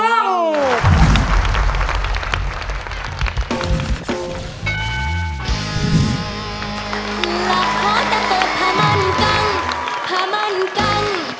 หลับพอจะตกพามั่นกังพามั่นกัง